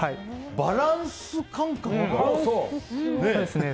バランス感覚がね。